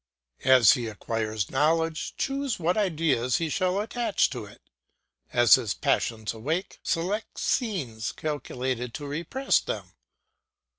As he acquires knowledge, choose what ideas he shall attach to it; as his passions awake, select scenes calculated to repress them.